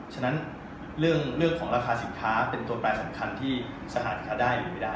ฉะนั้นเรื่องของราคาสินค้าเป็นตัวแปรสำคัญที่สถานค้าได้อยู่ไม่ได้